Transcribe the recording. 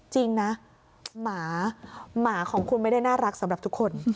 จริงนะหมาหมาของคุณไม่ได้น่ารักสำหรับทุกคน